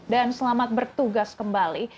dan selamat bertugas kembali